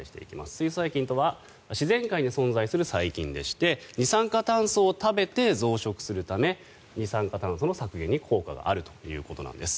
水素細菌とは自然界に存在する細菌でして二酸化炭素を食べて増殖するため二酸化炭素の削減に効果があるということです。